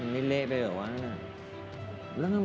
ไม่เละไปเหรอวะนั่นอ่ะ